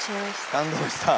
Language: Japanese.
感動した。